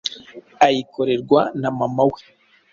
ayikorerwa na mama we